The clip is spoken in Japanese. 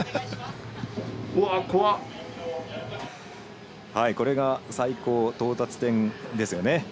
うわっ、怖っ。これが最高到達点ですよね。